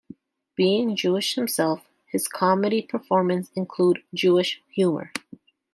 Being Jewish himself, his comedy performances include Jewish humour.